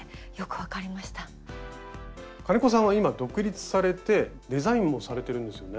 金子さんは今独立されてデザインもされてるんですよね？